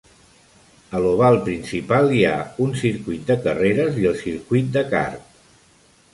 A l"oval principal hi ha un circuit de carreres i el circuit de kart.